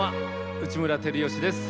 内村光良です。